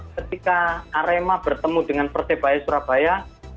ketika arema bertemu dengan persebaya surabaya